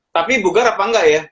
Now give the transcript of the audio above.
tapi bugar apa enggak ya